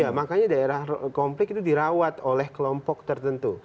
ya makanya daerah konflik itu dirawat oleh kelompok tertentu